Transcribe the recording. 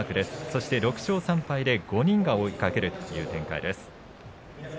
そして、６勝３敗で５人が追いかけるという展開です。